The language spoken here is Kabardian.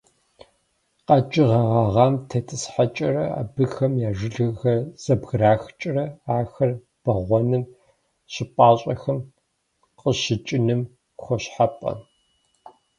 КъэкӀыгъэ гъэгъам тетӀысхьэкӀэрэ, абыхэм я жылэхэр зэбграхкӀэрэ ахэр бэгъуэным, щӀыпӀэщӀэхэм къыщыкӀыным хуощхьэпэ.